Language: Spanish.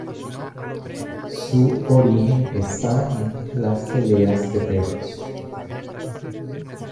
Su origen está en las peleas de perros.